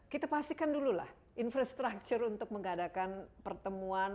kita pastikan dulu lah infrastructure untuk mengadakan pertemuan